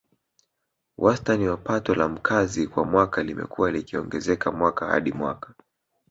Wastani wa Pato la Mkazi kwa mwaka limekuwa likiongezeka mwaka hadi mwaka